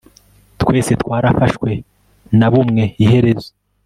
twese twarafashwe na bumwe iherezo